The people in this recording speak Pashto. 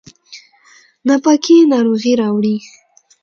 ناپاکي ناروغي راوړي